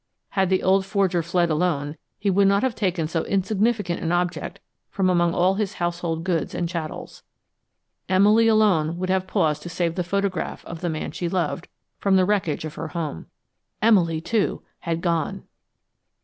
Had the old forger fled alone, he would not have taken so insignificant an object from among all his household goods and chattels. Emily alone would have paused to save the photograph of the man she loved from the wreckage of her home; Emily, too, had gone!